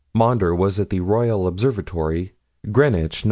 Maunder was at the Royal Observatory, Greenwich, Nov.